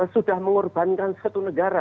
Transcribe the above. sudah mengorbankan satu negara